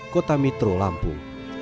kota metro lampung